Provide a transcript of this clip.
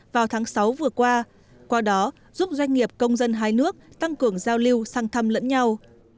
vào tháng sáu vừa qua qua đó giúp doanh nghiệp công dân hai nước tăng cường giao lưu sang thăm lẫn nhau